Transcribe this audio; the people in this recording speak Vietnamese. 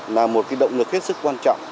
là một cái động lực hết sức quan trọng